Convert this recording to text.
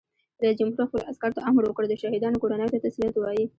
رئیس جمهور خپلو عسکرو ته امر وکړ؛ د شهیدانو کورنیو ته تسلیت ووایئ!